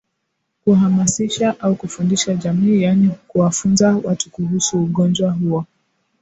Kuhamasisha au kufundisha jamii yaani kuwafunza watu kuuhusu ugonjwa huo